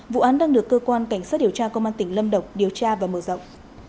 vụ án đang được cơ quan cảnh sát điều tra công an tỉnh lâm đồng điều tra và mở rộng